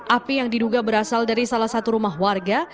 api yang diduga berasal dari salah satu rumah warga